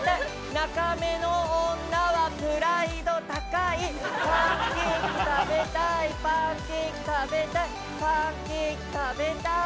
「中目の女はプライド高い」「パンケーキ食べたいパンケーキ食べたい」「パンケーキ食べたい」